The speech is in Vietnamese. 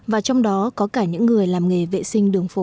và trong đó có cả những người làm nghề vệ sinh đường phố